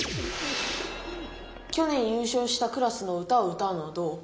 去年優勝したクラスの歌をうたうのはどう？